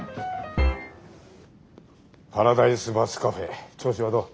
パラダイスバスカフェ調子はどう？